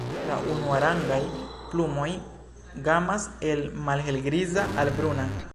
La unuarangaj plumoj gamas el malhelgriza al bruna.